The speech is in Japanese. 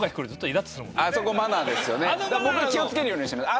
僕気を付けるようにしてます。